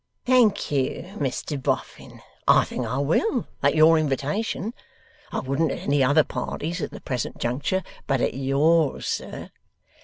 'Thank you, Mr Boffin, I think I will, at your invitation. I wouldn't at any other party's, at the present juncture; but at yours, sir!